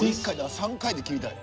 ３回で切りたい。